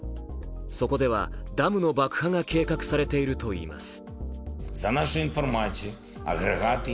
そこではダムの爆破が計画されているといいます。